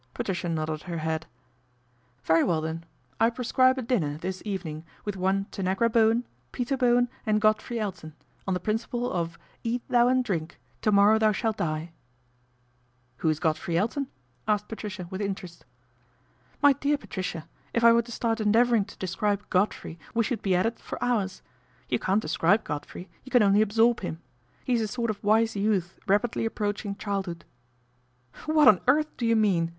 Patricia nodded her head. " Very well, then, I prescribe a dinner this evening with one Tanagra Bowen, Peter Bowen and Godfrey Elton, on the principle of ' Eat thou and drink, to morrow thou shalt die.' "" Who is Godfrey Elton ?" asked Patricia with interest. " My dear Patricia, if I were to start endeavour ing to describe Godfrey we should be at it for hours. You can't describe Godfrey, you can only absorb him. He is a sort of wise youth rapidly approaching childhood." ' What on earth do you mean